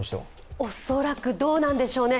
恐らくどうなんでしょうね。